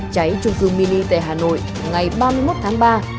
cháy trung cư mini tại hà nội ngày ba mươi một tháng ba